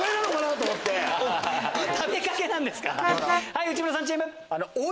はい内村さんチーム。